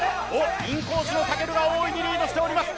インコースのたけるが大いにリードしております。